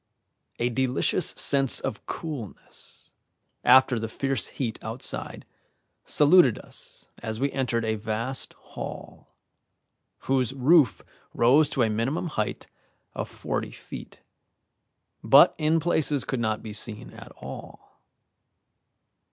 A delicious sense of coolness, after the fierce heat outside, saluted us as we entered a vast hall, whose roof rose to a minimum height of forty feet, but in places could not be seen at all.